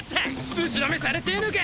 ぶちのめされてぇのか！